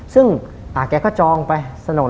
ซึ่งอ่าอังแกก็จองไปสนุน